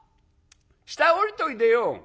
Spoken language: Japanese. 下へ下りといでよ。